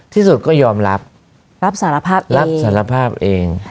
ที่สุดก็ยอมรับรับสารภาพเอง